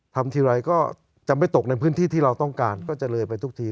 ทำทีไรก็จะไม่ตกในพื้นที่ที่เราต้องการก็จะเลยไปทุกที